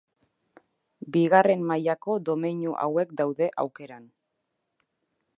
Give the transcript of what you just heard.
Bigarren mailako domeinu hauek daude aukeran.